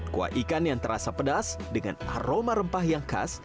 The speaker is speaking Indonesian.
kuah ikan yang terasa pedas dengan aroma rempah yang khas